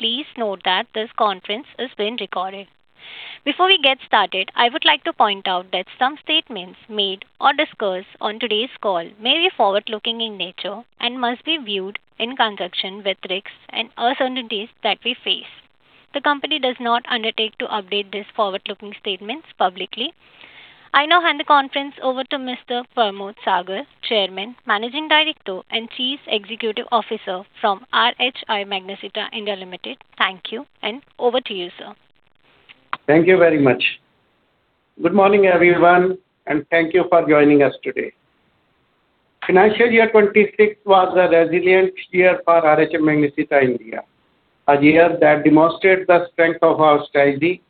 Please note that this conference is being recorded. Before we get started, I would like to point out that some statements made or discussed on today's call may be forward-looking in nature and must be viewed in conjunction with risks and uncertainties that we face. The company does not undertake to update these forward-looking statements publicly. I now hand the conference over to Mr. Parmod Sagar, Chairman, Managing Director, and Chief Executive Officer from RHI Magnesita India Limited. Thank you, and over to you, sir. Thank you very much. Good morning, everyone, and thank you for joining us today. Financial year 2026 was a resilient year for RHI Magnesita India, a year that demonstrated the strength of our strategy,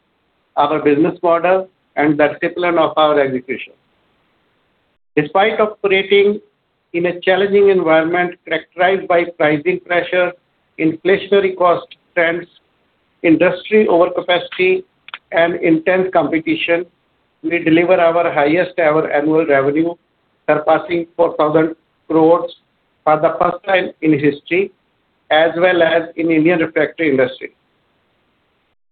our business model, and discipline of our execution. Despite operating in a challenging environment characterized by pricing pressure, inflationary cost trends, industry overcapacity, and intense competition, we delivered our highest-ever annual revenue, surpassing 4,000 crores for the first time in history, as well as in Indian refractory industry.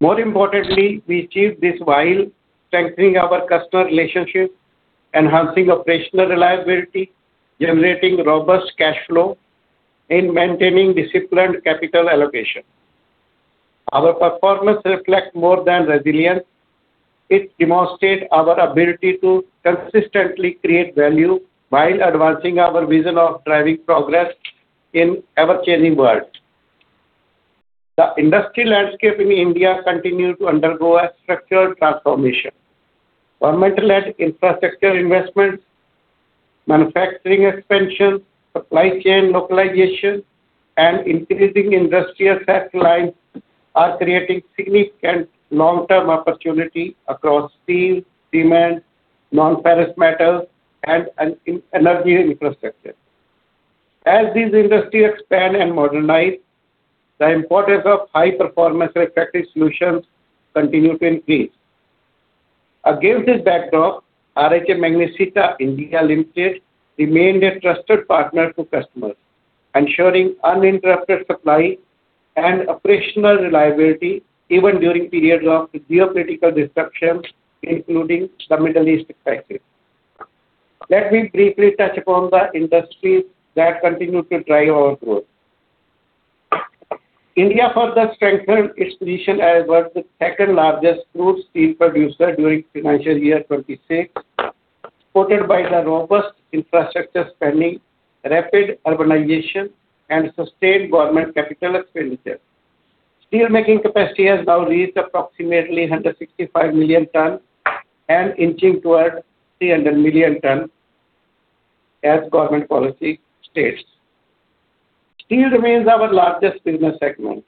More importantly, we achieved this while strengthening our customer relationships, enhancing operational reliability, generating robust cash flow, and maintaining disciplined capital allocation. Our performance reflects more than resilience. It demonstrates our ability to consistently create value while advancing our vision of driving progress in an ever-changing world. The industry landscape in India continued to undergo a structural transformation. Government-led infrastructure investments, manufacturing expansion, supply chain localization, and increasing industrial satellite are creating significant long-term opportunity across steel, cement, non-ferrous metals, and energy infrastructure. As these industries expand and modernize, the importance of high-performance refractory solutions continue to increase. Against this backdrop, RHI Magnesita India Limited remained a trusted partner to customers, ensuring uninterrupted supply and operational reliability even during periods of geopolitical disruptions, including the Middle East crisis. Let me briefly touch upon the industries that continue to drive our growth. India further strengthened its position as the world's second-largest crude steel producer during financial year 2026, supported by the robust infrastructure spending, rapid urbanization, and sustained government capital expenditure. Steelmaking capacity has now reached approximately 165 million tons and inching towards 300 million tons as government policy states. Steel remains our largest business segment,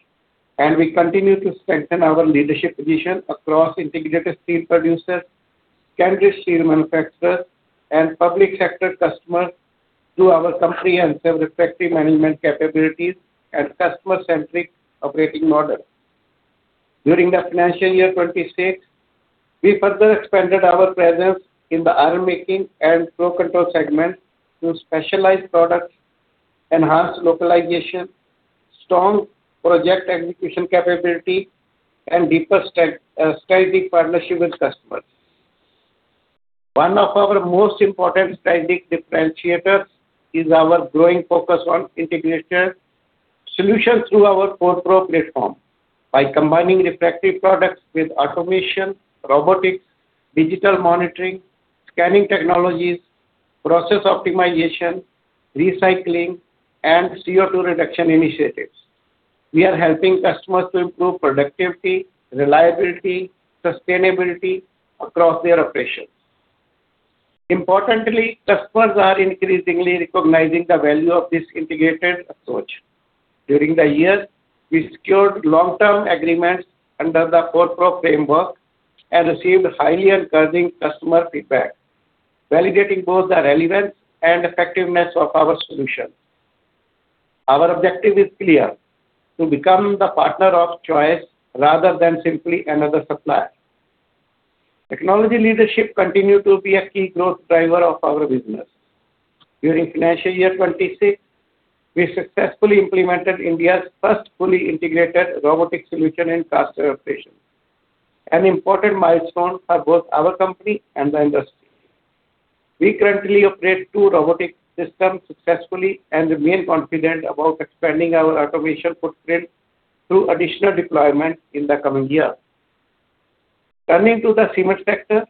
and we continue to strengthen our leadership position across integrated steel producers, country steel manufacturers, and public sector customers through our comprehensive refractory management capabilities and customer-centric operating model. During the financial year 2026, we further expanded our presence in the ironmaking and flow control segment through specialized products, enhanced localization, strong project execution capability, and deeper strategic partnership with customers. One of our most important strategic differentiators is our growing focus on integrated solutions through our 4PRO platform. By combining refractory products with automation, robotics, digital monitoring, scanning technologies, process optimization, recycling, and CO2 reduction initiatives, we are helping customers to improve productivity, reliability, sustainability across their operations. Importantly, customers are increasingly recognizing the value of this integrated approach. During the year, we secured long-term agreements under the 4PRO framework and received highly encouraging customer feedback, validating both the relevance and effectiveness of our solution. Our objective is clear: to become the partner of choice rather than simply another supplier. Technology leadership continued to be a key growth driver of our business. During financial year 2026, we successfully implemented India's first fully integrated robotic solution in caster operations, an important milestone for both our company and the industry. We currently operate two robotic systems successfully and remain confident about expanding our automation footprint through additional deployment in the coming year. Turning to the cement sector,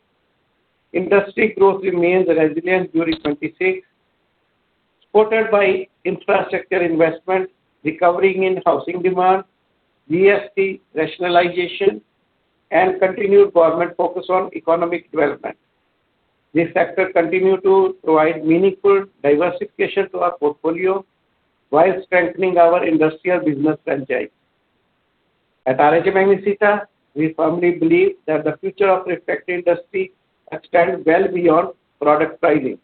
industry growth remains resilient during 2026, supported by infrastructure investment, recovering in housing demand, GST rationalization, and continued government focus on economic development. This sector continued to provide meaningful diversification to our portfolio while strengthening our industrial business franchise. At RHI Magnesita, we firmly believe that the future of refractory industry extends well beyond product pricing.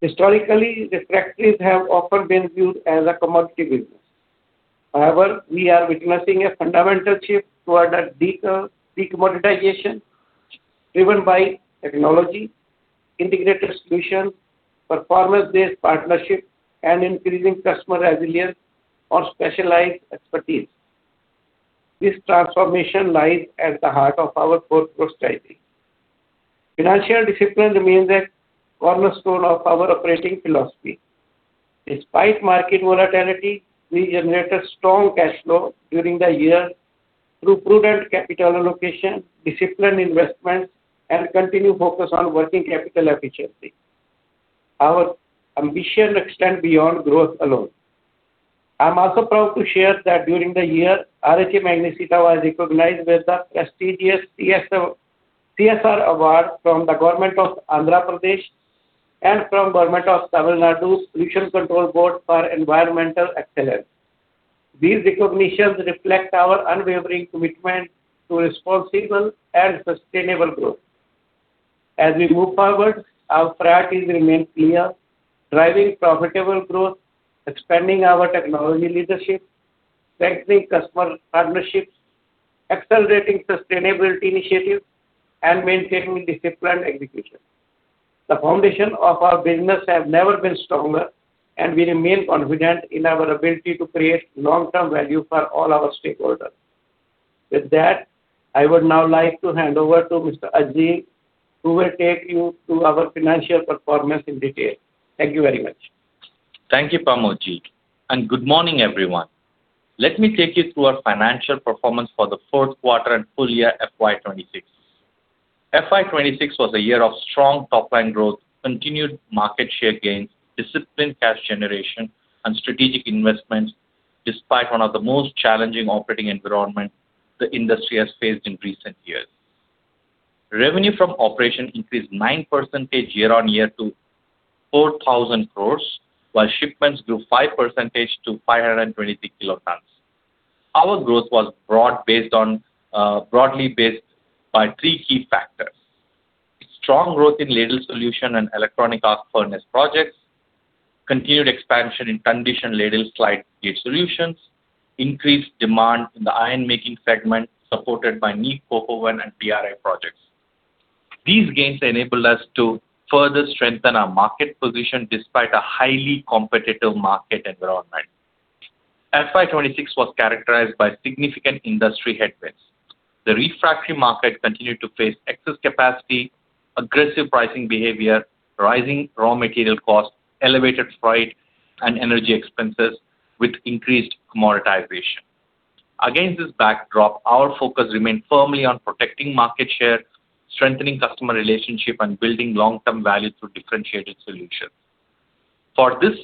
Historically, refractories have often been viewed as a commodity business. However, we are witnessing a fundamental shift toward a de-commoditization, driven by technology, integrated solutions, performance-based partnerships, and increasing customer resilience or specialized expertise. This transformation lies at the heart of our core strategy. Financial discipline remains a cornerstone of our operating philosophy. Despite market volatility, we generated strong cash flow during the year through prudent capital allocation, disciplined investments, and continued focus on working capital efficiency. Our ambition extends beyond growth alone. I'm also proud to share that during the year, RHI Magnesita was recognized with the prestigious CSR award from the Government of Andhra Pradesh and from Government of Tamil Nadu Pollution Control Board for environmental excellence. These recognitions reflect our unwavering commitment to responsible and sustainable growth. As we move forward, our priorities remain clear: driving profitable growth, expanding our technology leadership, strengthening customer partnerships, accelerating sustainability initiatives, and maintaining disciplined execution. The foundation of our business has never been stronger, and we remain confident in our ability to create long-term value for all our stakeholders. With that, I would now like to hand over to Mr. Azim, who will take you through our financial performance in detail. Thank you very much. Thank you, Parmod ji, and good morning, everyone. Let me take you through our financial performance for the fourth quarter and full year FY 2026. FY 2026 was a year of strong top-line growth, continued market share gains, disciplined cash generation, and strategic investments despite one of the most challenging operating environments the industry has faced in recent years. Revenue from operations increased 9% year-on-year to 4,000 crores, while shipments grew 5% to 523 kt. Our growth was broadly based on three key factors. Strong growth in ladle solution and electric arc furnace projects, continued expansion in conditioned ladle slide gate solutions, increased demand in the iron making segment supported by MIP, COCO1, and PRA projects. These gains enabled us to further strengthen our market position despite a highly competitive market environment. FY 2026 was characterized by significant industry headwinds. The refractory market continued to face excess capacity, aggressive pricing behavior, rising raw material costs, elevated freight and energy expenses with increased commoditization. Against this backdrop, our focus remained firmly on protecting market share, strengthening customer relationship, and building long-term value through differentiated solutions. For this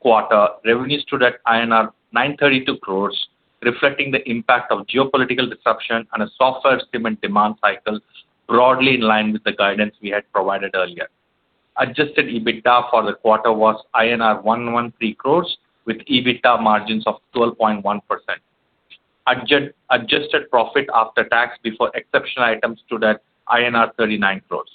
quarter, revenue stood at INR 932 crores, reflecting the impact of geopolitical disruption and a softer cement demand cycle, broadly in line with the guidance we had provided earlier. Adjusted EBITDA for the quarter was INR 113 crores, with EBITDA margins of 12.1%. Adjusted profit after tax before exceptional items stood at INR 39 crores.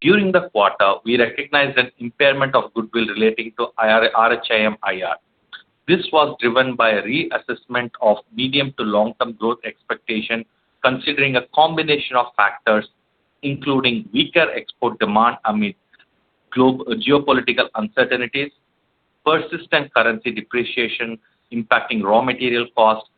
During the quarter, we recognized an impairment of goodwill relating to RHIM IR. This was driven by a reassessment of medium to long-term growth expectation, considering a combination of factors including weaker export demand amid geopolitical uncertainties, persistent currency depreciation impacting raw material costs,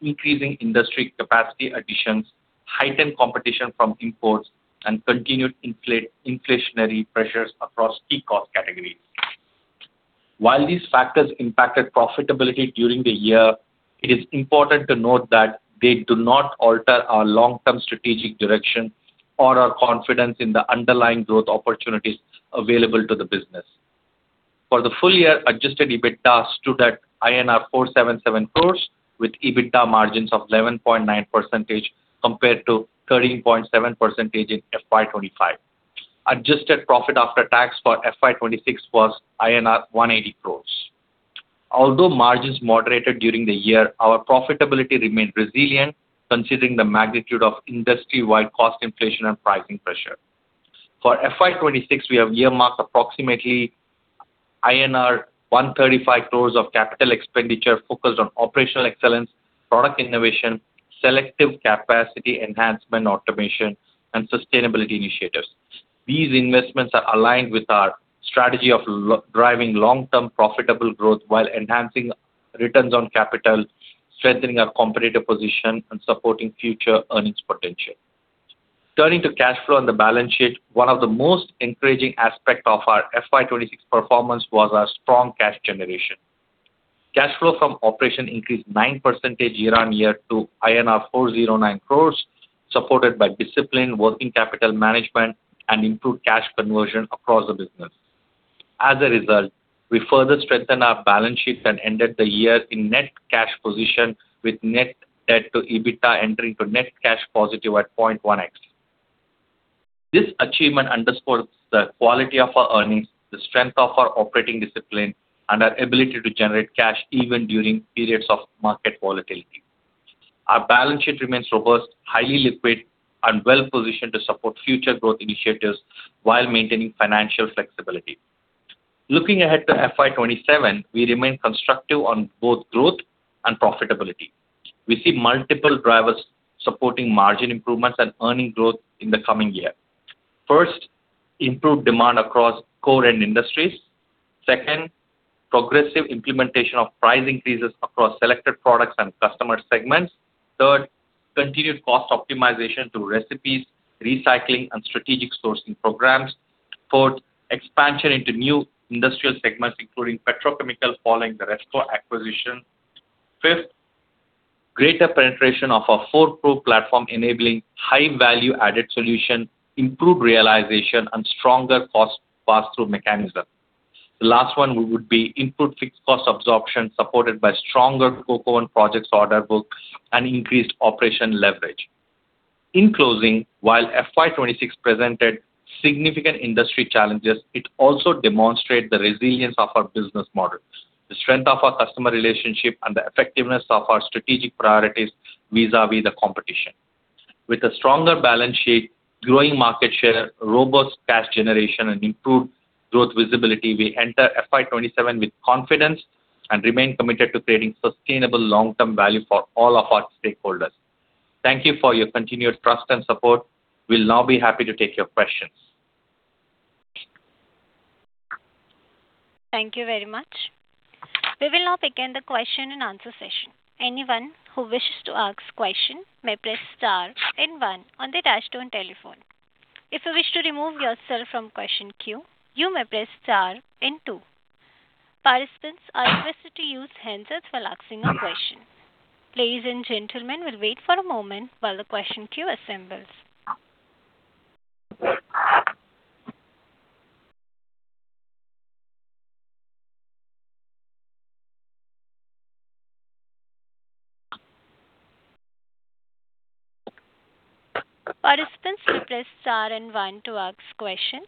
increasing industry capacity additions, heightened competition from imports, and continued inflationary pressures across key cost categories. While these factors impacted profitability during the year, it is important to note that they do not alter our long-term strategic direction or our confidence in the underlying growth opportunities available to the business. For the full year, Adjusted EBITDA stood at INR 477 crores, with EBITDA margins of 11.9% compared to 13.7% in FY 2025. Adjusted profit after tax for FY 2026 was INR 180 crores. Although margins moderated during the year, our profitability remained resilient considering the magnitude of industry-wide cost inflation and pricing pressure. For FY 2026, we have earmarked approximately INR 135 crores of capital expenditure focused on operational excellence, product innovation, selective capacity enhancement, automation, and sustainability initiatives. These investments are aligned with our strategy of driving long-term profitable growth while enhancing returns on capital, strengthening our competitive position, and supporting future earnings potential. Turning to cash flow and the balance sheet, one of the most encouraging aspects of our FY 2026 performance was our strong cash generation. Cash flow from operation increased 9% year-on-year to INR 409 crores, supported by disciplined working capital management and improved cash conversion across the business. As a result, we further strengthened our balance sheet and ended the year in net cash position with net debt to EBITDA entering to net cash positive at 0.1x. This achievement underscores the quality of our earnings, the strength of our operating discipline, and our ability to generate cash even during periods of market volatility. Our balance sheet remains robust, highly liquid, and well-positioned to support future growth initiatives while maintaining financial flexibility. Looking ahead to FY 2027, we remain constructive on both growth and profitability. We see multiple drivers supporting margin improvements and earning growth in the coming year. First, improved demand across core end industries. Second, progressive implementation of price increases across selected products and customer segments. Third, continued cost optimization through recipes, recycling, and strategic sourcing programs. Fourth, expansion into new industrial segments, including petrochemicals, following the Resco acquisition. Fifth, greater penetration of our 4PRO platform enabling high value-added solution, improved realization, and stronger cost pass-through mechanism. The last one would be improved fixed cost absorption, supported by stronger coke oven projects order book and increased operation leverage. In closing, while FY 2026 presented significant industry challenges, it also demonstrate the resilience of our business model, the strength of our customer relationship, and the effectiveness of our strategic priorities vis-a-vis the competition. With a stronger balance sheet, growing market share, robust cash generation, and improved growth visibility, we enter FY 2027 with confidence and remain committed to creating sustainable long-term value for all of our stakeholders. Thank you for your continued trust and support. We'll now be happy to take your questions. Thank you very much. We will now begin the question and answer session. Anyone who wishes to ask question may press star and one on the touchtone telephone. If you wish to remove yourself from question queue, you may press star and two. Participants are requested to use handsets while asking a question. Ladies and gentlemen, we'll wait for a moment while the question queue assembles. Participants may press star and one to ask question.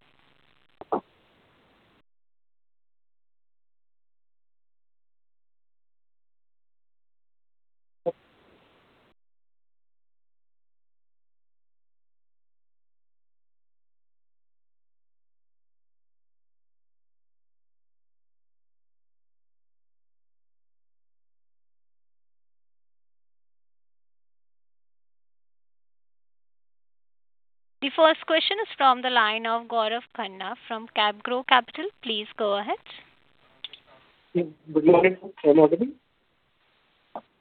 The first question is from the line of Gaurav Khanna from CapGrow Capital. Please go ahead. Good morning. Can you hear me?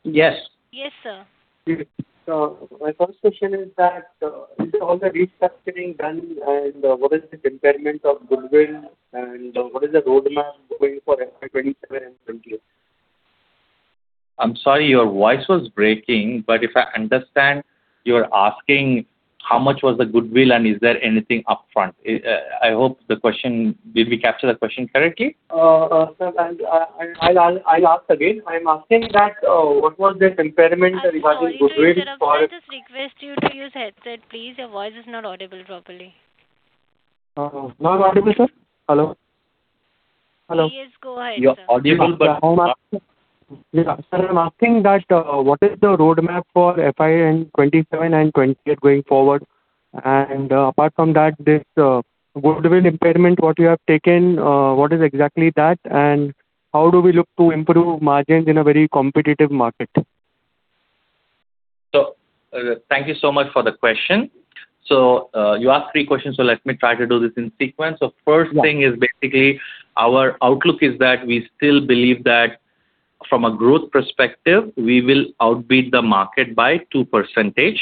Yes. Yes, sir. My first question is that, is all the restructuring done, and what is this impairment of goodwill, and what is the roadmap going for FY 2027 and 2028? I'm sorry, your voice was breaking, but if I understand, you're asking how much was the goodwill and is there anything upfront? Did we capture the question correctly? Sir, I'll ask again. I'm asking that, what was this impairment regarding goodwill for? I'm sorry. Sir, can I just request you to use headset, please? Your voice is not audible properly. Not audible, sir? Hello? Hello. Please go ahead, sir. You are audible, but. Sir, I'm asking that, what is the roadmap for FY 2027 and FY 2028 going forward? Apart from that, this goodwill impairment, what you have taken, what is exactly that, and how do we look to improve margins in a very competitive market? Thank you so much for the question. You asked three questions, let me try to do this in sequence. First thing is basically our outlook is that we still believe that from a growth perspective, we will outbid the market by 2%.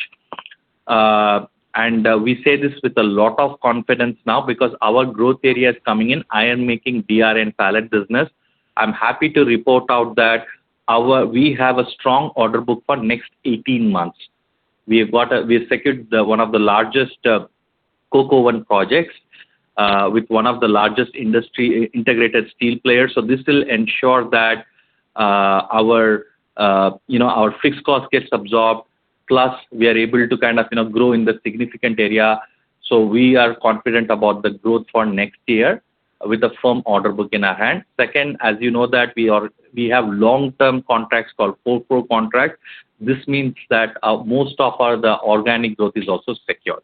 We say this with a lot of confidence now because our growth area is coming in, ironmaking, DR and pellet business. I'm happy to report out that we have a strong order book for next 18 months. We have secured one of the largest Coke oven projects, with one of the largest industry integrated steel players. This will ensure that our fixed cost gets absorbed. Plus, we are able to kind of grow in the significant area. We are confident about the growth for next year with a firm order book in our hand. As you know that we have long-term contracts called 4PRO contracts. This means that most of the organic growth is also secured.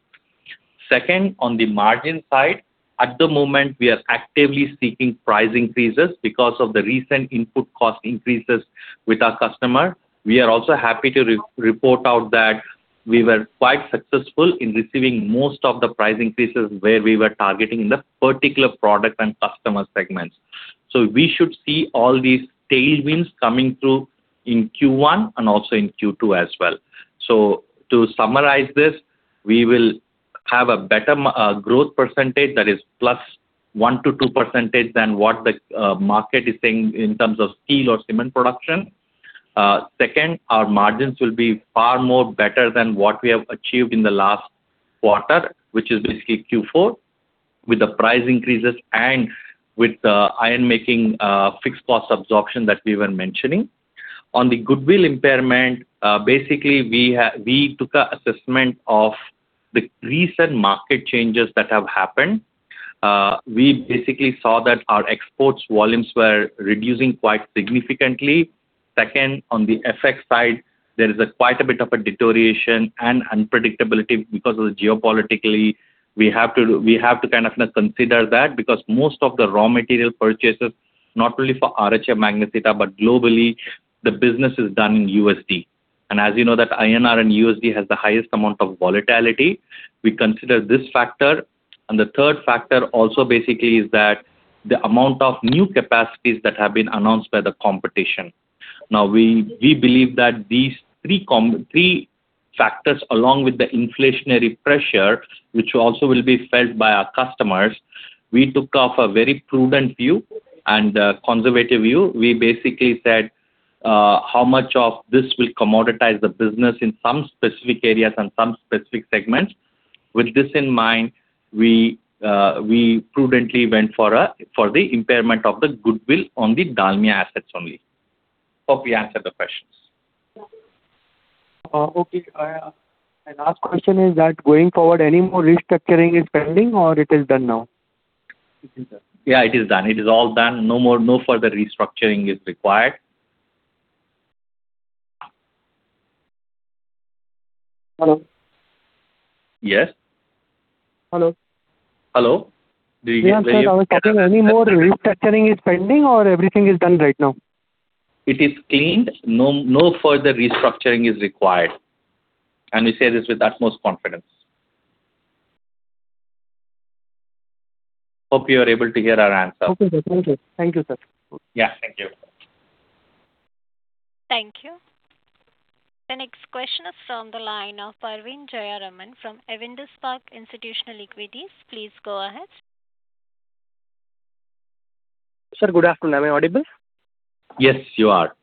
On the margin side, at the moment, we are actively seeking price increases because of the recent input cost increases with our customer. We are also happy to report out that we were quite successful in receiving most of the price increases where we were targeting the particular product and customer segments. We should see all these tailwinds coming through in Q1 and also in Q2 as well. To summarize this, we will have a better growth percentage that is +1%-2% than what the market is saying in terms of steel or cement production. Second, our margins will be far more better than what we have achieved in the last quarter, which is basically Q4, with the price increases and with the ironmaking fixed cost absorption that we were mentioning. On the goodwill impairment, basically, we took an assessment of the recent market changes that have happened. We basically saw that our exports volumes were reducing quite significantly. Second, on the FX side, there is quite a bit of a deterioration and unpredictability because of geopolitically. We have to consider that because most of the raw material purchases, not only for RHI Magnesita but globally, the business is done in USD. As you know that INR and USD has the highest amount of volatility, we consider this factor. The third factor also basically is that the amount of new capacities that have been announced by the competition. Now, we believe that these three factors, along with the inflationary pressure, which also will be felt by our customers, we took a very prudent view and a conservative view. We basically said, how much of this will commoditize the business in some specific areas and some specific segments. With this in mind, we prudently went for the impairment of the goodwill on the Dalmia assets only. Hope we answered the questions. Okay. Last question is that going forward, any more restructuring is pending or it is done now? It is done. Yeah, it is done. It is all done. No further restructuring is required. Hello? Yes. Hello? Hello. Did you get- Yeah, sir. I was checking any more restructuring is pending or everything is done right now? It is cleaned. No further restructuring is required, and we say this with utmost confidence. Hope you are able to hear our answer. Okay, sir. Thank you. Thank you, sir. Yeah, thank you. Thank you. The next question is from the line of Praveen Jayaraman from Avendus Spark Institutional Equities. Please go ahead. Sir, good afternoon. Am I audible? Yes, you are.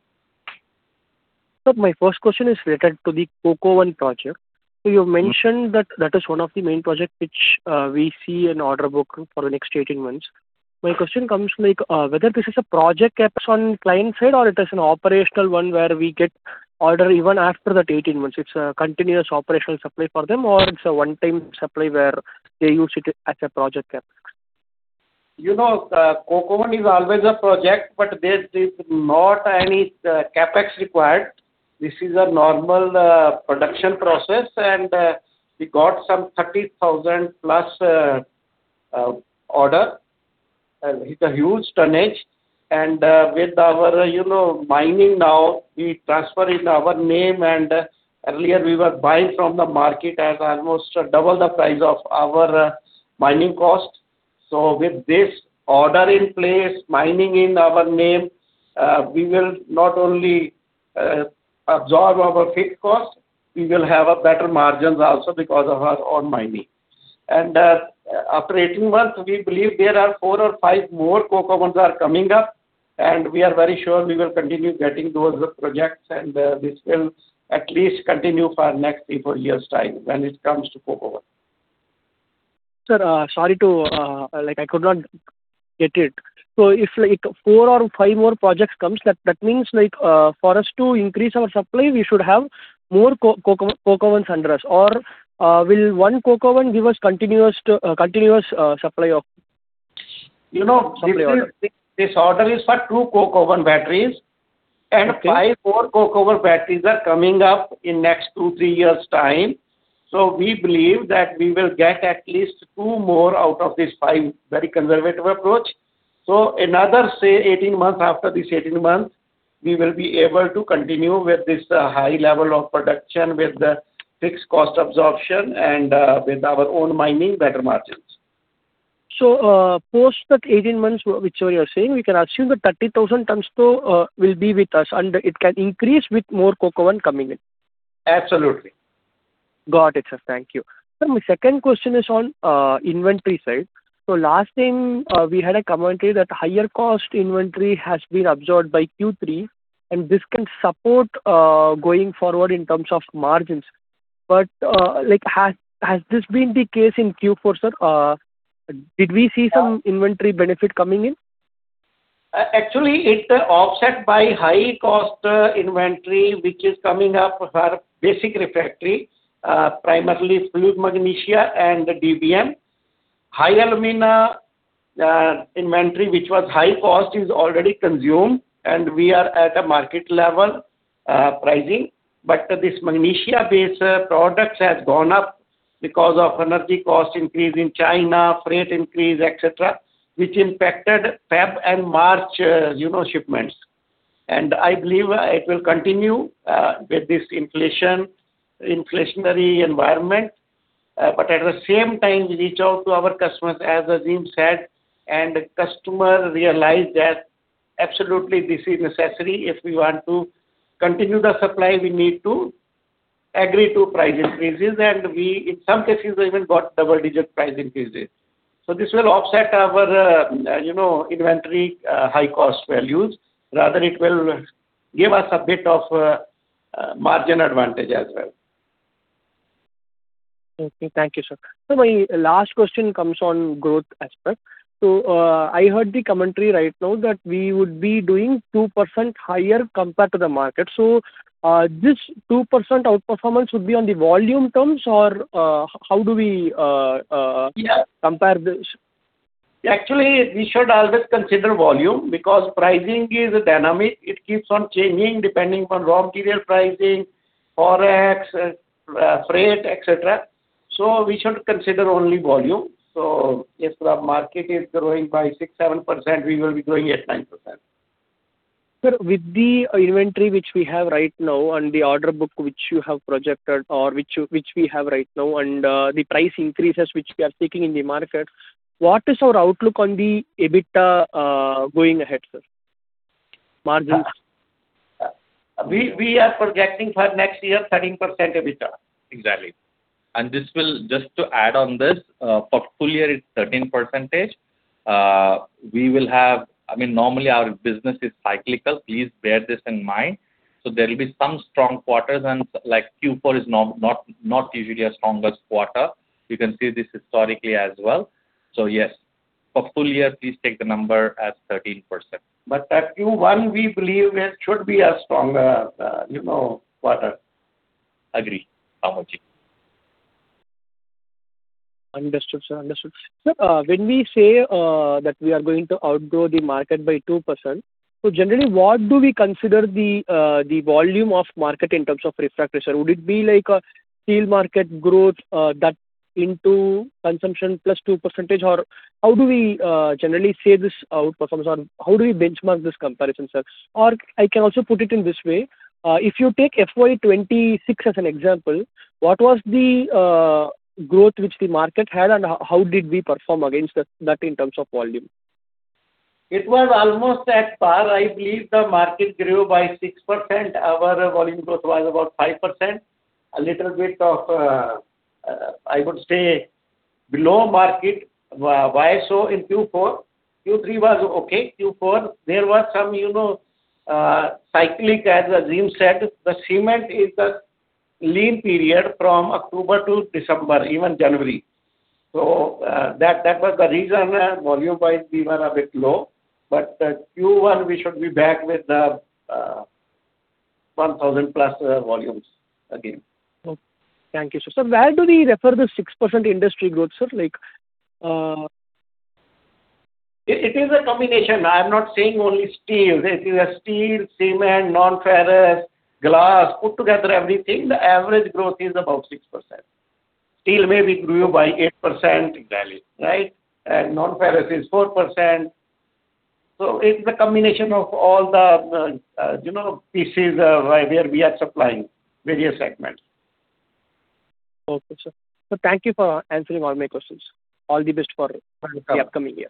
Sir, my first question is related to the Coke oven project. You mentioned that that is one of the main projects which we see in order book for the next 18 months. My question comes like whether this is a project CapEx on client side or it is an operational one where we get order even after that 18 months. It's a continuous operational supply for them or it's a one-time supply where they use it as a project CapEx. Coke oven is always a project, but there's not any CapEx required. This is a normal production process, and we got some 30,000+ order. It's a huge tonnage. With our mining now, we transfer in our name, and earlier we were buying from the market at almost double the price of our mining cost. With this order in place, mining in our name, we will not only absorb our fixed cost, we will have better margins also because of our own mining. After 18 months, we believe there are four or five more coke ovens that are coming up, and we are very sure we will continue getting those projects, and this will at least continue for next three, four years time when it comes to coke oven. Sir, I could not get it. If four or five more projects comes, that means for us to increase our supply, we should have more coke ovens under us? Will one coke oven give us continuous supply order? This order is for two coke oven batteries. Five more coke oven batteries are coming up in next two, three years' time. We believe that we will get at least two more out of these five. Very conservative approach. Another, say, 18 months after this 18 months, we will be able to continue with this high-level of production with the fixed cost absorption and with our own mining, better margins. Post that 18 months, whichever you're saying, we can assume the 30,000 tons still will be with us, and it can increase with more coke oven coming in. Absolutely. Got it, sir. Thank you. Sir, my second question is on inventory side. Last time, we had a commentary that higher cost inventory has been absorbed by Q3, and this can support going forward in terms of margins. Has this been the case in Q4, sir? Did we see some inventory benefit coming in? Actually, it's offset by high cost inventory, which is coming up for our basic refractory, primarily fused magnesia and DBM. High alumina inventory, which was high cost, is already consumed and we are at a market level, pricing. This magnesia-based products has gone up because of energy cost increase in China, freight increase, et cetera, which impacted Feb and March shipments. I believe it will continue with this inflationary environment. At the same time, we reach out to our customers, as Azim said, and customer realize that absolutely this is necessary. If we want to continue the supply, we need to agree to price increases and we, in some cases, even got double-digit price increases. This will offset our inventory high cost values, rather it will give us a bit of margin advantage as well. Okay. Thank you, sir. Sir, my last question comes on growth aspect. I heard the commentary right now that we would be doing 2% higher compared to the market. This 2% outperformance would be on the volume terms or how do we-? Yeah. compare this? Actually, we should always consider volume because pricing is dynamic. It keeps on changing depending upon raw material pricing, Forex, freight, et cetera. We should consider only volume. If the market is growing by 6%-7%, we will be growing at 9%. Sir, with the inventory which we have right now and the order book which you have projected or which we have right now and the price increases which we are taking in the market, what is our outlook on the EBITDA going ahead, sir? Margins. We are projecting for next year 13% EBITDA. Exactly. Just to add on this, for full year it's 13%. Normally our business is cyclical, please bear this in mind. There will be some strong quarters and Q4 is not usually a strongest quarter. You can see this historically as well. Yes, for full year, please take the number as 13%. Q1 we believe it should be a stronger quarter. Agree. 100%. Understood, sir. Sir, when we say that we are going to outgrow the market by 2%, generally, what do we consider the volume of market in terms of refractories? Would it be like a steel market growth, that into consumption plus 2%? How do we generally say this outperformance, or how do we benchmark this comparison, sir? I can also put it in this way. If you take FY 2026 as an example, what was the growth which the market had, and how did we perform against that in terms of volume? It was almost at par. I believe the market grew by 6%. Our volume growth was about 5%. A little bit of, I would say, below market. Why so in Q4. Q3 was okay. Q4, there was some cyclic, as Azim said. The cement is a lean period from October to December, even January. That was the reason, volume-wise, we were a bit low. Q1, we should be back with the 1,000+ volumes again. Okay. Thank you, sir. Sir, where do we refer this 6% industry growth, sir? It is a combination. I'm not saying only steel. It is steel, cement, non-ferrous, glass. Put together everything, the average growth is about 6%. Steel maybe grew by 8%. Exactly. Right? Non-ferrous is 4%. It's the combination of all the pieces where we are supplying various segments. Okay, sir. Sir, thank you for answering all my questions. Welcome. All the best in the upcoming year.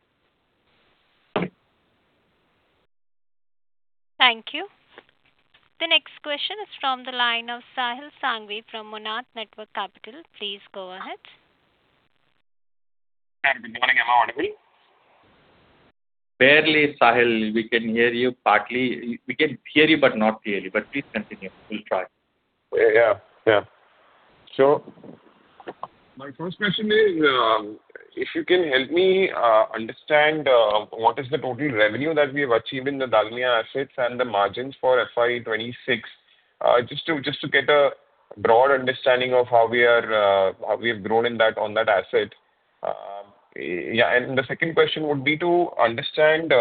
Thank you. The next question is from the line of Sahil Sanghvi from Monarch Networth Capital. Please go ahead. Good morning. Am I audible? Barely, Sahil. We can hear you partly. We can hear you, but not clearly. Please continue. We'll try. Yeah. My first question is, if you can help me understand what is the total revenue that we have achieved in the Dalmia assets and the margins for FY 2026, just to get a broad understanding of how we have grown on that asset. The second question would be to understand,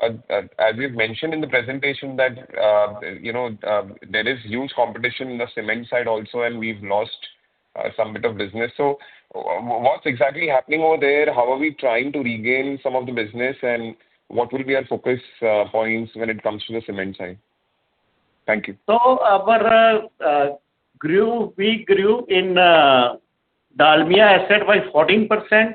as we've mentioned in the presentation that there is huge competition in the cement side also, and we've lost some bit of business. What's exactly happening over there? How are we trying to regain some of the business, and what will be our focus points when it comes to the cement side? Thank you. We grew in Dalmia asset by 14%.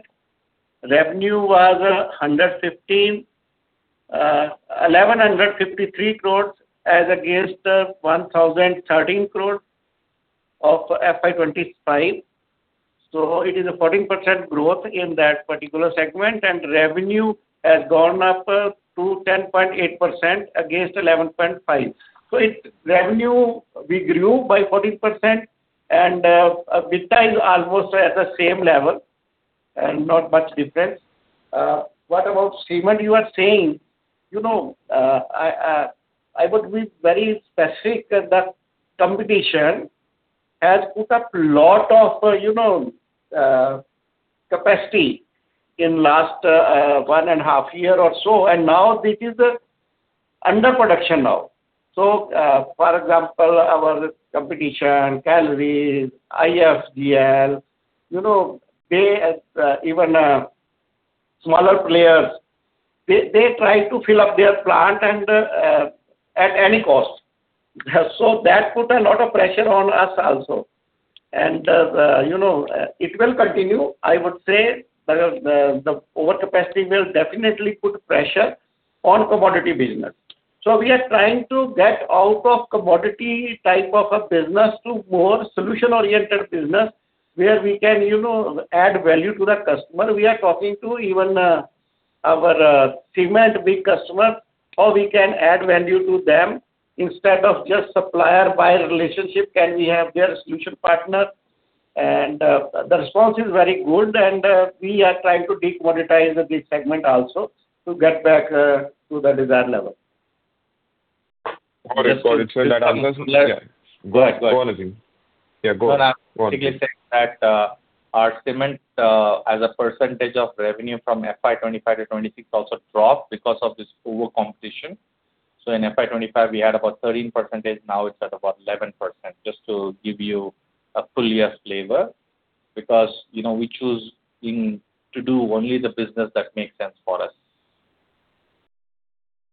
Revenue was 1,153 crore as against 1,013 crore of FY 2025. It is a 14% growth in that particular segment, and revenue has gone up to 10.8% against 11.5%. Revenue, we grew by 14% and EBITDA is almost at the same level and not much difference. What about cement you are saying, I would be very specific that competition has put up lot of capacity in last one and a half years or so, and now this is under production now. For example, our competition, Calderys, IFGL, even smaller players, they try to fill up their plant at any cost. That put a lot of pressure on us also. It will continue, I would say, the overcapacity will definitely put pressure on commodity business. We are trying to get out of commodity type of a business to more solution-oriented business where we can add value to the customer. We are talking to even our cement big customer, how we can add value to them instead of just supplier-buyer relationship, can we have their solution partner? The response is very good, and we are trying to de-commoditize this segment also to get back to the desired level. Got it. Just to add on to that. Yeah. Go ahead. Go on, Azim. Yeah, go. I'm basically saying that our cement, as a percentage of revenue from FY 2025 to 2026 also dropped because of this overcompetition. In FY 2025, we had about 13%. Now it's at about 11%, just to give you a full year flavor. We choose to do only the business that makes sense for us.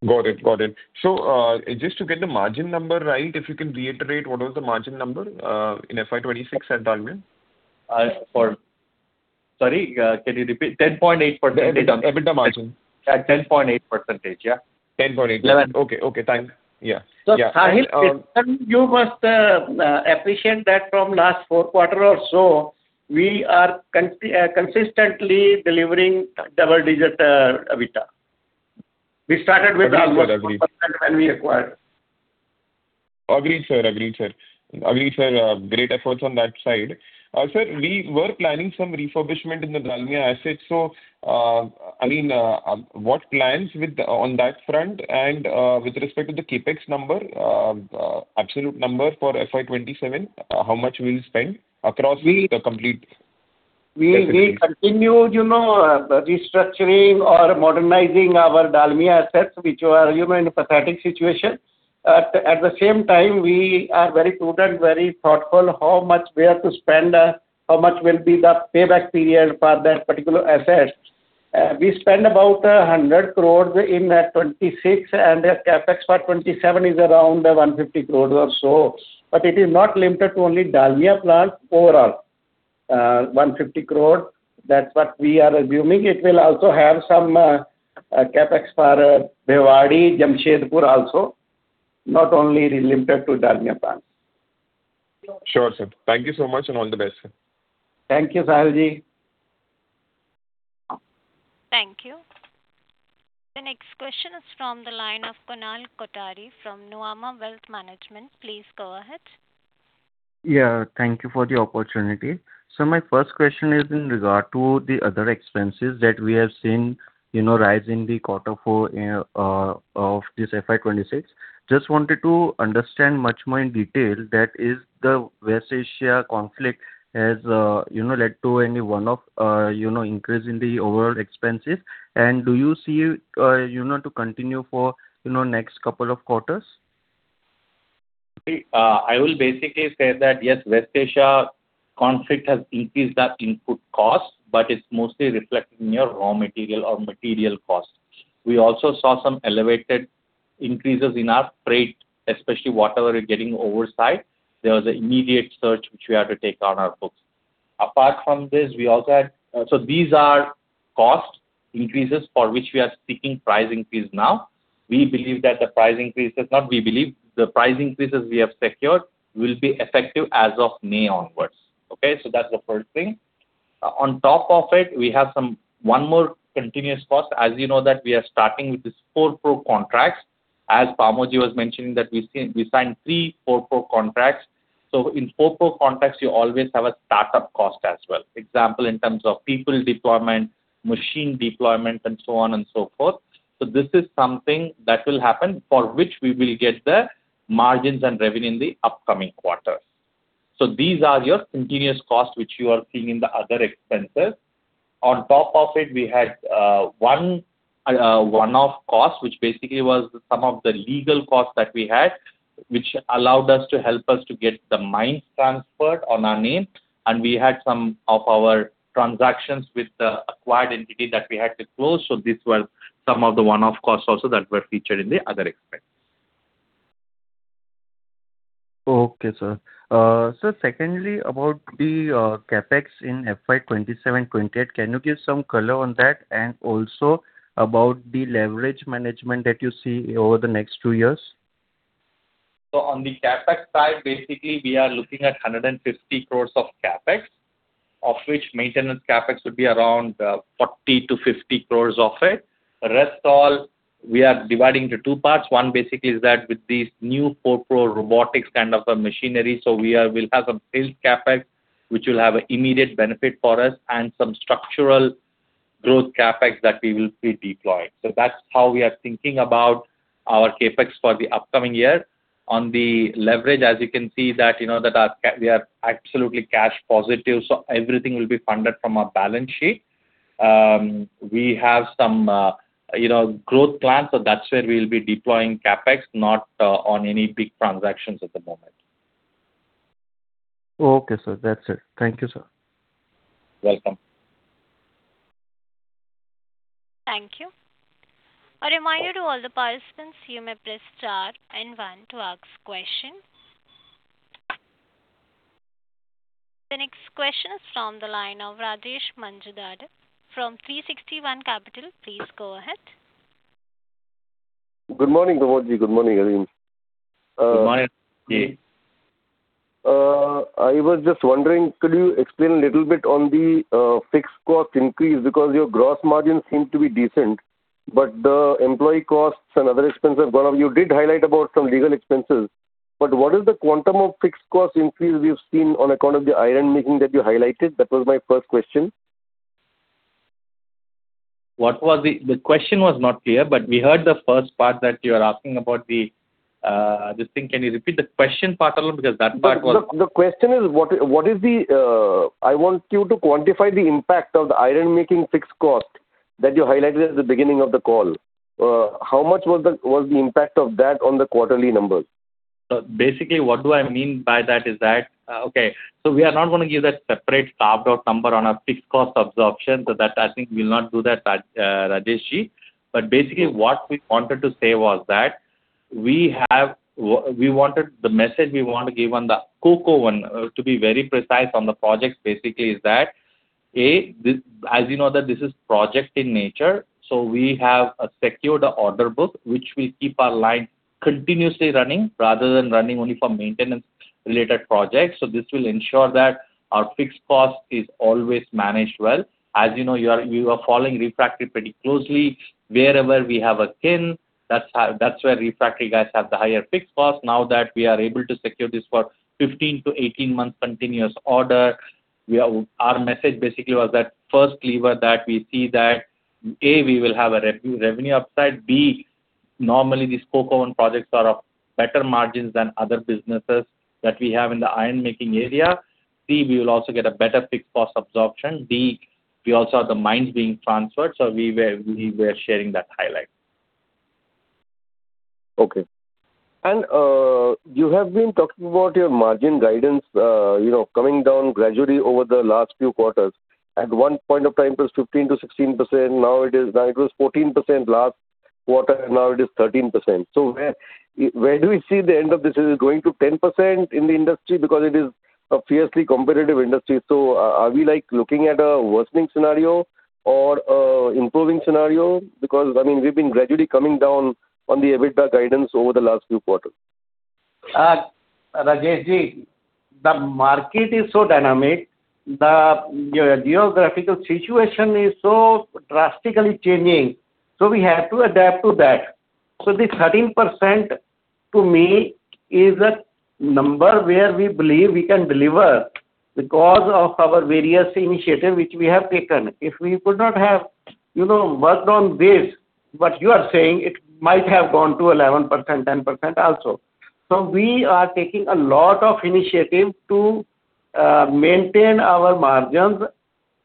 Got it. Just to get the margin number right, if you can reiterate what was the margin number in FY 2026 at Dalmia? Sorry, can you repeat? 10.8%. The EBITDA margin. At 10.8%, yeah. 10.8% 11%. Okay. Thanks. Yeah. Sahil, you must appreciate that from last four quarter or so, we are consistently delivering double-digit EBITDA. We started with almost 4% when we acquired. Agreed, sir. Great efforts on that side. Sir, we were planning some refurbishment in the Dalmia assets. What plans on that front and with respect to the CapEx number, absolute number for FY 2027, how much we'll spend across the complete facilities? We continue restructuring or modernizing our Dalmia assets, which were in pathetic situation. At the same time, we are very prudent, very thoughtful how much we are to spend, how much will be the payback period for that particular asset. We spend about 100 crores in FY 2026, the CapEx for FY 2027 is around 150 crores or so. It is not limited to only Dalmia plant. Overall, 150 crore, that's what we are assuming. It will also have some CapEx for Bhiwadi, Jamshedpur also, not only limited to Dalmia plant. Sure, sir. Thank you so much, and all the best, sir. Thank you, Sahil ji. Thank you. The next question is from the line of Kunal Kothari from Nuvama Wealth Management. Please go ahead. Yeah, thank you for the opportunity. My first question is in regard to the other expenses that we have seen rise in the quarter four of this FY 2026. Just wanted to understand much more in detail that is the West Asia conflict has led to any one-off increase in the overall expenses. Do you see it to continue for next couple of quarters? I will basically say that, yes, West Asia conflict has increased the input cost, but it's mostly reflected in your raw material or material cost. We also saw some elevated increases in our freight, especially whatever is getting overseas. There was an immediate surge which we had to take on our books. These are cost increases for which we are seeking price increase now. We believe that the price increases we have secured will be effective as of May onwards. Okay. That's the first thing. On top of it, we have one more continuous cost. As you know that we are starting with these 4PRO contracts. As Parmod ji was mentioning that we signed three 4PRO contracts. In 4PRO contracts, you always have a startup cost as well. Example, in terms of people deployment, machine deployment, and so on and so forth. This is something that will happen for which we will get the margins and revenue in the upcoming quarters. These are your continuous costs, which you are seeing in the other expenses. On top of it, we had one-off cost, which basically was some of the legal costs that we had, which allowed us to help us to get the mines transferred on our name, and we had some of our transactions with the acquired entity that we had to close. These were some of the one-off costs also that were featured in the other expense. Okay, sir. Sir, secondly, about the CapEx in FY 2027/2028, can you give some color on that, and also about the leverage management that you see over the next two years? On the CapEx side, basically, we are looking at 150 crores of CapEx, of which maintenance CapEx would be around 40 crores-50 crores of it. Rest all, we are dividing into two parts. One basically is that with these new 4PRO robotics kind of a machinery, so we'll have some build CapEx, which will have immediate benefit for us and some structural growth CapEx that we will be deploying. That's how we are thinking about our CapEx for the upcoming year. On the leverage, as you can see that we are absolutely cash positive. Everything will be funded from our balance sheet. We have some growth plans. That's where we'll be deploying CapEx, not on any big transactions at the moment. Okay, sir. That's it. Thank you, sir. Welcome. Thank you. A reminder to all the participants, you may press star and one to ask questions. The next question is from the line of Rajesh Majumdar from 360 ONE Capital. Please go ahead. Good morning, Parmod ji. Good morning, Azim. Good morning. I was just wondering, could you explain a little bit on the fixed cost increase because your gross margin seemed to be decent, but the employee costs and other expenses, you did highlight about some legal expenses, but what is the quantum of fixed cost increase we've seen on account of the iron making that you highlighted? That was my first question. The question was not clear, but we heard the first part that you're asking about the thing. Can you repeat the question part alone? The question is, I want you to quantify the impact of the ironmaking fixed cost that you highlighted at the beginning of the call. How much was the impact of that on the quarterly numbers? Basically, what do I mean by that is that, Okay, so we are not going to give that separate carved-out number on a fixed cost absorption. That, I think we'll not do that, Rajesh ji. Basically, what we wanted to say was that the message we want to give on the Coke oven, to be very precise on the projects, basically is that, A), as you know that this is project in nature, so we have secured the order book, which will keep our line continuously running rather than running only for maintenance related projects. This will ensure that our fixed cost is always managed well. As you know, you are following refractory pretty closely. Wherever we have a kiln, that's where refractory guys have the higher fixed cost. Now that we are able to secure this for 15 to 18 months continuous order, our message basically was that first lever that we see that, A), we will have a revenue upside, B), normally these coke oven projects are of better margins than other businesses that we have in the ironmaking area. B), we will also get a better fixed cost absorption. D), we also have the mines being transferred. We were sharing that highlight. Okay. You have been talking about your margin guidance coming down gradually over the last few quarters. At one point of time, it was 15%-16%. Now it was 14% last quarter, and now it is 13%. Where do we see the end of this? Is it going to 10% in the industry because it is a fiercely competitive industry? Are we looking at a worsening scenario or improving scenario? Because we've been gradually coming down on the EBITDA guidance over the last few quarters. Rajesh ji, the market is so dynamic. The geographical situation is so drastically changing. We have to adapt to that. The 13%, to me, is a number where we believe we can deliver because of our various initiatives which we have taken. If we could not have worked on this, what you are saying, it might have gone to 11%, 10% also. We are taking a lot of initiatives to maintain our margins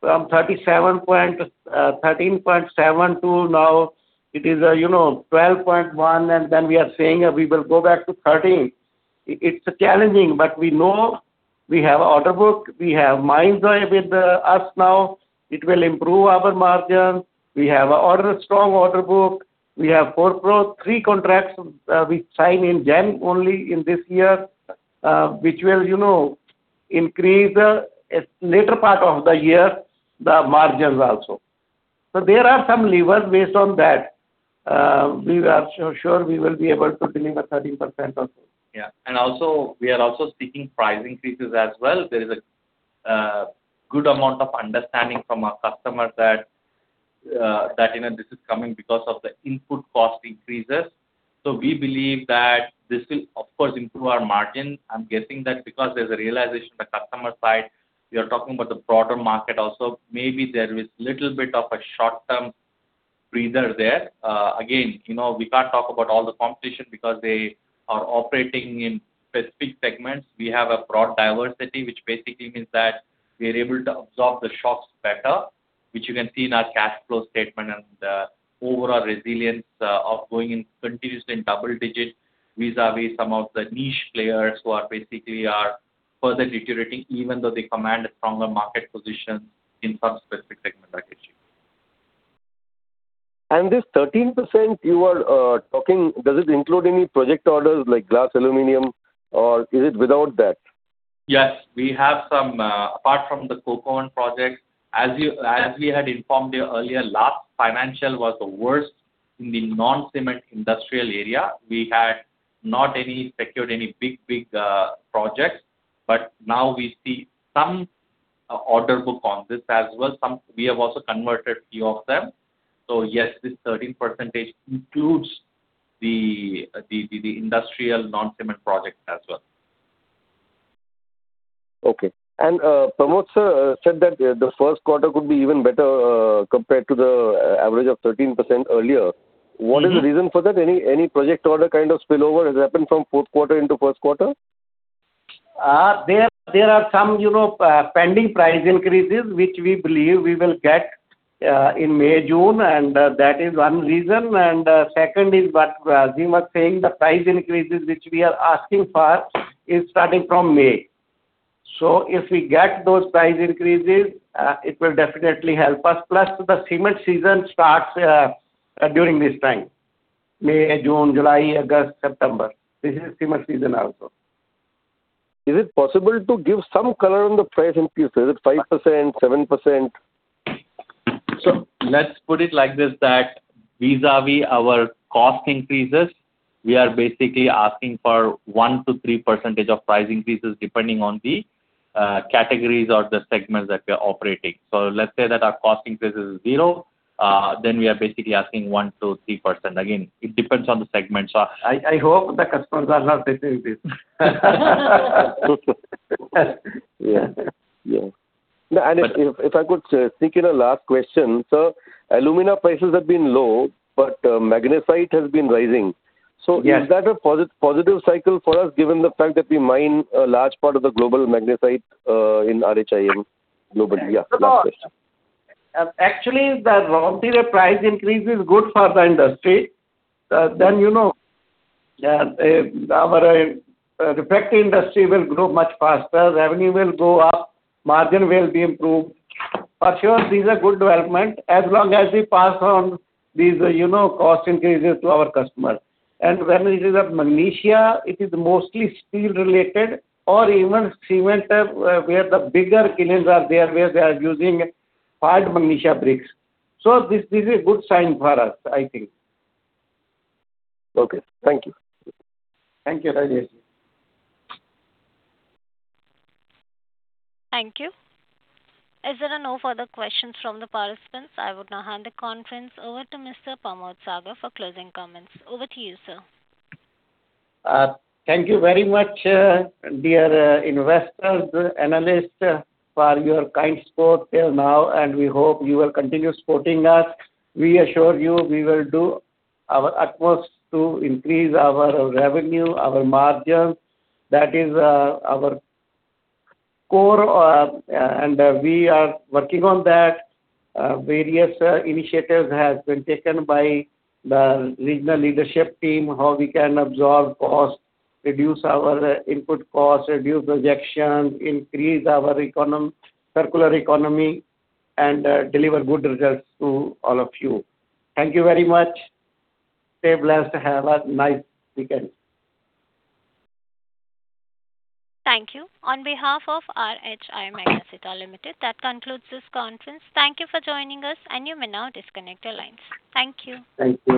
from 13.7% to now it is 12.1%, and then we are saying we will go back to 13%. It's challenging, but we know we have order book, we have mines with us now. It will improve our margins. We have a strong order book. We have 4PRO, three contracts we sign in January only in this year, which will increase later part of the year, the margins also. There are some levers based on that. We are sure we will be able to deliver 13% also. Yeah. We are also seeking price increases as well. There is a good amount of understanding from our customers that this is coming because of the input cost increases. We believe that this will, of course, improve our margin. I'm guessing that because there's a realization on the customer side, we are talking about the broader market also. Maybe there is little bit of a short-term breather there. Again, we can't talk about all the competition because they are operating in specific segments. We have a broad diversity, which basically means that we are able to absorb the shocks better, which you can see in our cash flow statement and the overall resilience of going in continuously in double digits vis-à-vis some of the niche players who are basically further deteriorating, even though they command a stronger market position in some specific segment packages. This 13% you are talking, does it include any project orders like glass, aluminum, or is it without that? Yes. Apart from the coke oven project, as we had informed you earlier, last financial was the worst in the non-cement industrial area. We had not secured any big projects, but now we see some order book on this as well. We have also converted few of them. Yes, this 13% includes the industrial non-cement project as well. Okay. Parmod sir said that the first quarter could be even better compared to the average of 13% earlier. What is the reason for that? Any project order kind of spillover has happened from Q4 into Q1? There are some pending price increases, which we believe we will get in May, June, and that is one reason. Second is what Azim was saying, the price increases which we are asking for is starting from May. If we get those price increases, it will definitely help us. The cement season starts during this time, May, June, July, August, September. This is cement season also. Is it possible to give some color on the price increase? Is it 5%, 7%? Let's put it like this, that vis-à-vis our cost increases, we are basically asking for 1%-3% of price increases depending on the categories or the segments that we are operating. Let's say that our cost increase is zero, then we are basically asking 1%-3%. Again, it depends on the segment. I hope the customers are not listening this. Yeah. If I could sneak in a last question. Sir, alumina prices have been low, but magnesite has been rising. Yes. Is that a positive cycle for us, given the fact that we mine a large part of the global magnesite in RHIM globally? Yeah, last question. Actually, the raw material price increase is good for the industry. Our refractory industry will grow much faster, revenue will go up, margin will be improved. For sure, these are good development as long as we pass on these cost increases to our customer. When it is of magnesia, it is mostly steel-related or even cement where the bigger kilns are there, where they are using hard magnesia bricks. This is a good sign for us, I think. Okay. Thank you. Thank you. Thank you. Thank you. As there are no further questions from the participants, I would now hand the conference over to Mr. Parmod Sagar for closing comments. Over to you, sir. Thank you very much, dear investors, analysts, for your kind support till now, and we hope you will continue supporting us. We assure you we will do our utmost to increase our revenue, our margins. That is our core, and we are working on that. Various initiatives have been taken by the regional leadership team, how we can absorb costs, reduce our input costs, reduce rejections, increase our circular economy, and deliver good results to all of you. Thank you very much. Stay blessed. Have a nice weekend. Thank you. On behalf of RHI Magnesita Limited, that concludes this conference. Thank you for joining us, and you may now disconnect your lines. Thank you. Thank you.